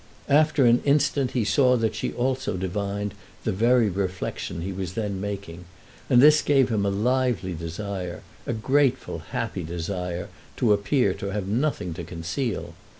After an instant he saw that she also divined the very reflection he was then making, and this gave him a lively desire, a grateful, happy desire, to appear to have nothing to conceal.